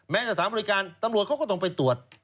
สถานบริการตำรวจเขาก็ต้องไปตรวจ